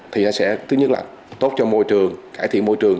thì sẽ tốt cho môi trường cải thiện môi trường